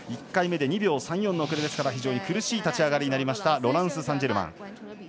１回目で２秒３４の遅れですから非常に厳しい立ち上がりになりましたロランス・サンジェルマン。